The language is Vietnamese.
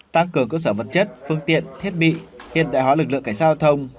tăng cường cơ sở vật chất phương tiện thiết bị hiện đại hóa lực lượng cảnh sát giao thông